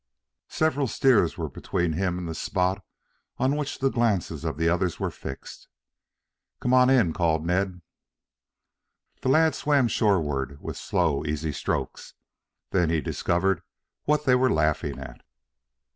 Several steers were between him and the spot on which the glances of the others were fixed. "Come on in," called Ned. The lad swam shoreward with slow, easy strokes. Then he discovered what they were laughing at.